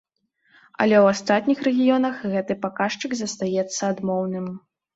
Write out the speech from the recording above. Але ў астатніх рэгіёнах гэты паказчык застаецца адмоўным.